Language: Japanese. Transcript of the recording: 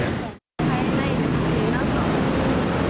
変えないでほしいなと思います。